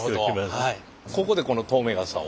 ここでこの透明傘を。